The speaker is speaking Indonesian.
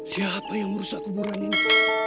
siapa yang merusak kuburan ini